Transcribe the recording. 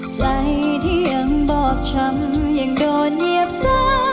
ใจที่ยังบอบช้ำยังโดนเหยียบซ้ำ